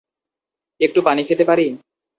একটু পানি খেতে পারি?